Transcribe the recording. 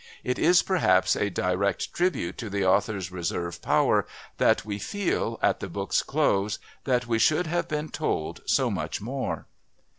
It is perhaps a direct tribute to the author's reserve power that we feel, at the book's close, that we should have been told so much more.